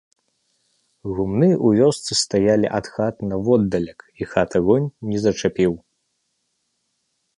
Гумны ў вёсцы стаялі ад хат наводдалек, і хат агонь не зачапіў.